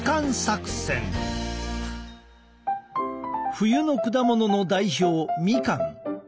冬の果物の代表みかん。